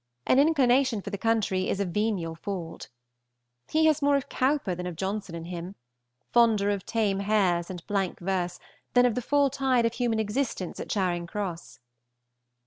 An inclination for the country is a venial fault. He has more of Cowper than of Johnson in him, fonder of tame hares and blank verse than of the full tide of human existence at Charing Cross.